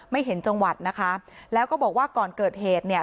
ไม่เห็นจังหวัดนะคะแล้วก็บอกว่าก่อนเกิดเหตุเนี่ย